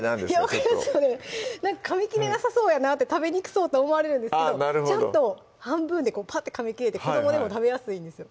分かりますかねなんかかみ切れなさそうやなって食べにくそうと思われるんですけどちゃんと半分でパッてかみ切れて子どもでも食べやすいんですよ